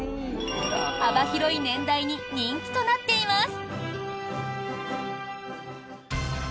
幅広い年代に人気となっています。